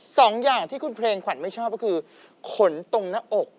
สองอย่างที่คุณเพลงขวัญไม่ชอบก็คือขนตรงหน้าอก